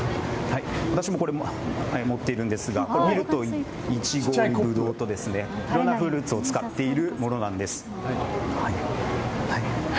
これ、私も持っているんですがいちご、ぶどうといろんなフルーツを使っているものなんです。